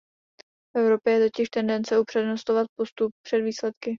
V Evropě je totiž tendence upřednostňovat postup před výsledky.